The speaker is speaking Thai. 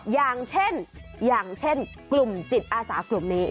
อย่างเช่นอย่างเช่นกลุ่มจิตอาสากลุ่มนี้